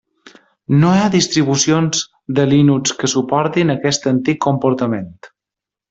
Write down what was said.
No hi ha distribucions de Linux que suportin aquest antic comportament.